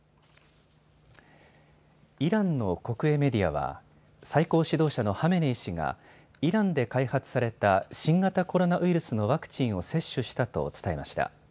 イランの国営メディアは最高指導者のハメネイ師がイランで開発された新型コロナウイルスのワクチンを接種したと伝えました。